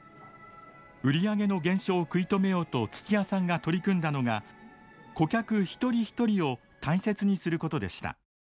売り上げの減少を食い止めようと土屋さんが取り組んだのが顧客一人一人を大切にすることでした。